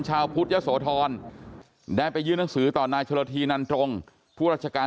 ชาวพุทธยะโสธรได้ไปยื่นหนังสือต่อนายชนธีนันตรงผู้ราชการ